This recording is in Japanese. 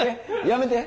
やめて。